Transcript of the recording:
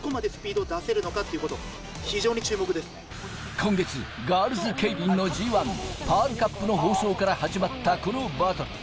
今月ガールズケイリンのＧ１・パールカップの放送から始まったこのバトル。